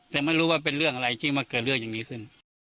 แต่ไม่รู้ว่าเป็นเรื่องอะไรที่มาเกิดเรื่องอย่างนี้ขึ้น